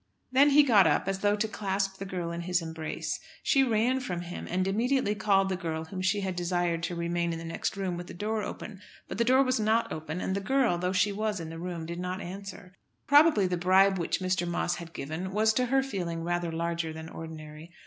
Then he got up, as though to clasp the girl in his embrace. She ran from him, and immediately called the girl whom she had desired to remain in the next room with the door open. But the door was not open, and the girl, though she was in the room, did not answer. Probably the bribe which Mr. Moss had given was to her feeling rather larger than ordinary.